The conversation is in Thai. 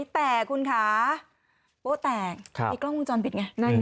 แต่คุณคะโอ้แต่ครับไอ้กล้องวงจรปิดไงนั่นไง